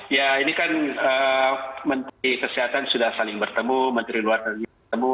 ya ini kan menteri kesehatan sudah saling bertemu menteri luar negeri bertemu